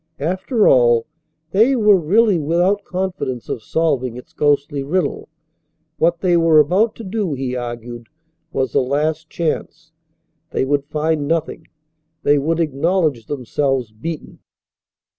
After all, they were really without confidence of solving its ghostly riddle. What they were about to do, he argued, was a last chance. They would find nothing. They would acknowledge themselves beaten.